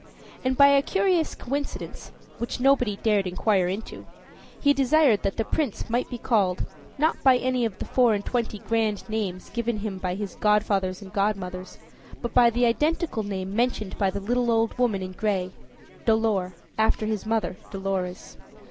And by a curious coincidence, which nobody dared inquire into, he desired that the Prince might be called, not by any of the four and twenty grand names given him by his godfathers and godmothers, but by the identical name mentioned by the little old woman in gray Dolor, after his mother Dolorez.